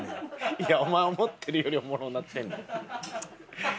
いやお前思ってるよりおもろなってんねん。